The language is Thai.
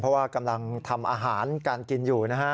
เพราะว่ากำลังทำอาหารการกินอยู่นะฮะ